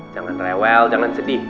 jangan rewel jangan sedih